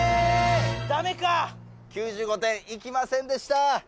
ダメか９５点いきませんでした